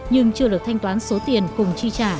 nhưng chưa được thanh toán số tiền cùng chi trả